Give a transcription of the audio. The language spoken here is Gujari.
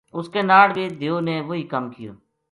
اس کے ناڑ بھی دیو نے وہی کم کیو